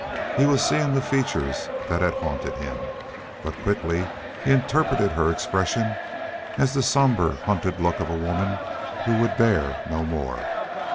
He was seeing the features that had haunted him. But quickly he interpreted her expression as the somber, hunted look of a woman who would bear no more.